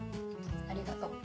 ありがとう。